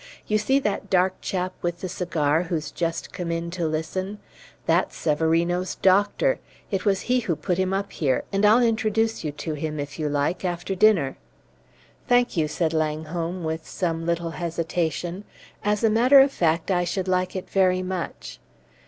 You see that dark chap with the cigar, who's just come in to listen? That's Severino's doctor; it was he who put him up here; and I'll introduce you to him, if you like, after dinner." "Thank you," said Langholm, after some little hesitation; "as a matter of fact, I should like it very much.